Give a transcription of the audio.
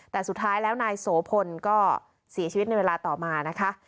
แต่สุดท้ายแล้วนายโสพลก็เสียชีวิตในเวลาต่อมานะคะ